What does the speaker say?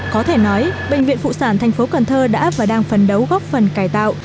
có thể nói bệnh viện phụ sản tp cn đã và đang phấn đấu góp phần cải tạo